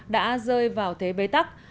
đã rơi vào thế bê tắc